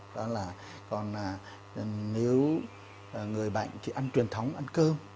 đó là còn nếu người bệnh chỉ ăn truyền thống ăn cơm